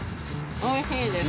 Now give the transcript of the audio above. おいしいです。